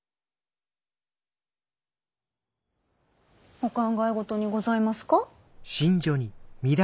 お考えごとにございますか？